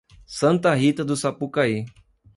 Santa Rita do Sapucaí